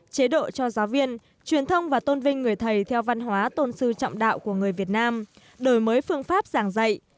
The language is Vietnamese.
chế độ cho giáo viên truyền thông và tôn vinh người thầy theo văn hóa tôn sư trọng đạo của người việt nam đổi mới phương pháp giảng dạy